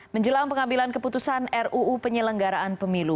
menjelang pengambilan keputusan ruu penyelenggaraan pemilu